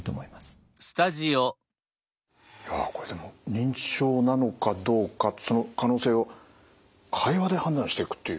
認知症なのかどうかその可能性を会話で判断していくっていう。